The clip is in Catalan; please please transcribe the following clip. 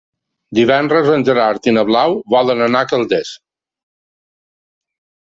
Divendres en Gerard i na Blau volen anar a Calders.